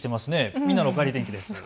みんなのおかえり天気です。